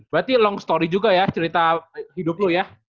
berarti long story juga ya cerita hidup lo ya